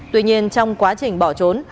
tuy nhiên trong quá trình bỏ trốn